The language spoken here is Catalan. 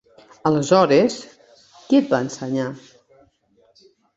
Aleshores, qui et va ensenyar?